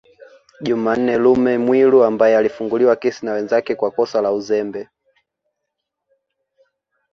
Jumanne Lume Mwiru ambaye alifunguliwa kesi na wenzake kwa kosa la uzembe